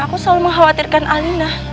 aku selalu mengkhawatirkan alina